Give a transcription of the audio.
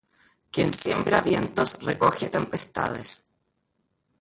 Quién siembra vientos, recoge tempestades